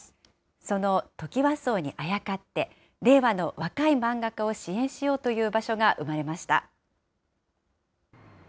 そのトキワ荘にあやかって、令和の若い漫画家を支援しようという場所が生まれました。